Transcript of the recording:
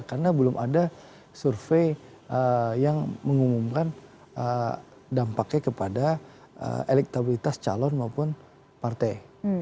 karena belum ada survei yang mengumumkan dampaknya kepada elektabilitas calon maupun partai